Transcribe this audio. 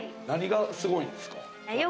何がすごいんですか？